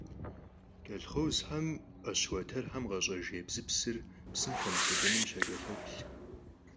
Колхозхэм Ӏэщ уэтэрхэм къащӀэж ебзыпсыр псым хэмылъэдэным щакӀэлъоплъ.